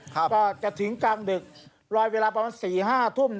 ก็จะถึงกลางดึกรอยเวลาประมาณ๔๕ทุ่ม